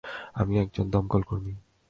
আমি একজন দমকলকর্মী।